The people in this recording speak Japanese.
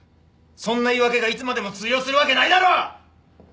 そんな言い訳がいつまでも通用するわけないだろ！